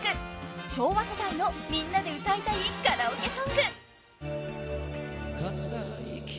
［昭和世代の「みんなで歌いたいカラオケ曲」］